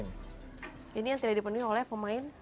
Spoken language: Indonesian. ini yang tidak dipenuhi oleh pemain